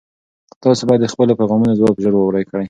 تاسي باید د خپلو پیغامونو ځواب ژر ورکړئ.